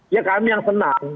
ya kami yang senang